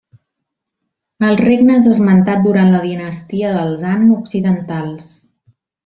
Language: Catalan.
El regne és esmentat durant la dinastia dels Han occidentals.